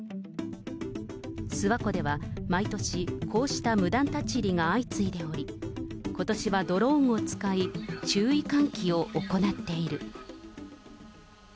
諏訪湖では毎年、こうした無断立ち入りが相次いでおり、ことしはドローンを使い、注意喚起を行っている。